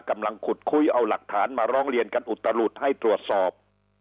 กำลังขุดคุยเอาหลักฐานมาร้องเรียนกันอุตลุดให้ตรวจสอบ